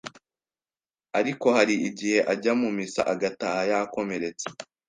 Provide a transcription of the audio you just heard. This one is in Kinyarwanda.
ariko hari igihe ajya mu misa agataha yakomeretse